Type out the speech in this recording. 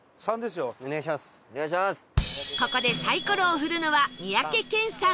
ここでサイコロを振るのは三宅健さん